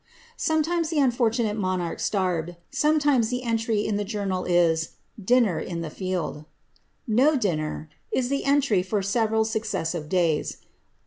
Sometimes the unfortunate monarch starved ; sometimes the entry in the journal is *^ dinner in the field." ^ No dinner," is the entry for several successive days.